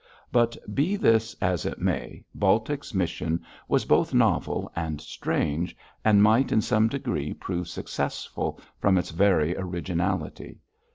But be this as it may, Baltic's mission was both novel and strange, and might in some degree prove successful from its very originality.